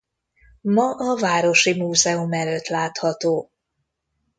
Ma a városi múzeum előtt látható.